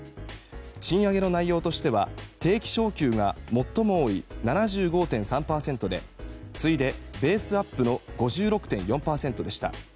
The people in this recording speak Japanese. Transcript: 賃上げの内容としては定期昇給が最も多い７５．３％で次いで、ベースアップの５６．４％でした。